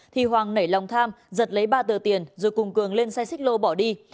thì hoàng nảy lòng tham giật lấy ba tờ tiền rồi cùng cường lên xe xích lô bỏ đi